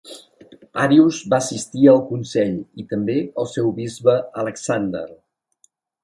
Arius va assistir al consell i també el seu bisbe, Alexander.